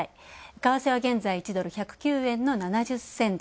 為替は現在１ドル＝１０９円の７０銭台。